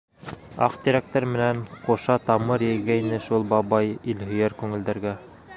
Аҡ тирәктәр менән ҡуша тамыр йәйгәйне шул бабай илһөйәр күңелдәргә.